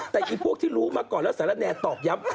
แต่อีพวกที่รู้มาก่อนแล้วสารแนตอบย้ำ